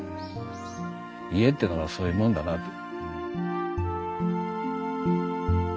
家っていうのはそういうもんだなあと。